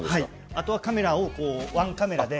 あとはカメラをワンカメラで。